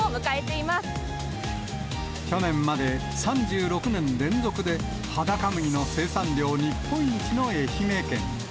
去年まで３６年連続で、はだか麦生産量日本一の愛媛県。